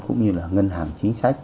cũng như là ngân hàng chính sách